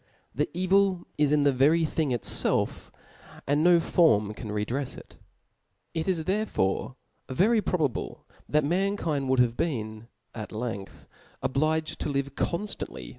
The evil is in the very thing itfelf ; and no form can redreft it. It is therefore very probable that mankind would have l?een, at length, obliged to live conftandy us